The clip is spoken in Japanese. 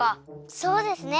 そうですね。